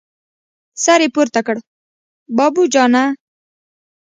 سر يې پورته کړ: بابو جانه!